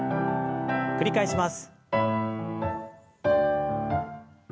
繰り返します。